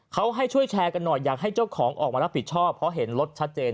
เขาให้ช่วยแชร์กันหน่อยอยากให้เจ้าของออกมารับผิดชอบเพราะเห็นรถชัดเจน